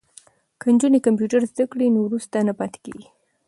که نجونې کمپیوټر زده کړی نو وروسته نه پاتې کیږي.